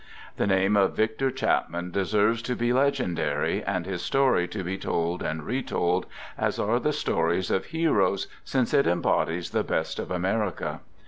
The name of Victor Chapman deserves to be \ legendary, and his story to be told and retold, as \ are the stories of heroes, since it embodies the best < of America.